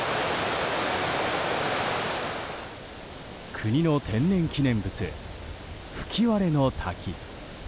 国の天然記念物、吹割の滝。